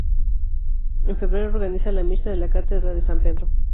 En febrero organiza la Misa de la Cátedra de San Pedro.